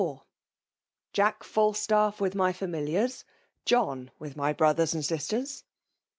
Jack Falataff wUk my fnmiliarg; Joha with my brolbflai and sisters.